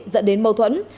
dẫn đến mâu thuẫn